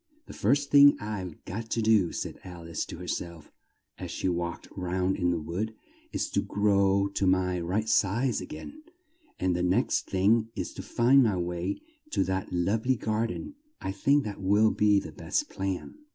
"The first thing I've got to do," said Al ice to her self, as she walked round in the wood, "is to grow to my right size again; and the next thing is to find my way to that love ly gar den. I think that will be the best plan."